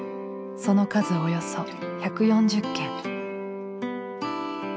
その数およそ１４０軒。